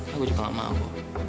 gak udah lah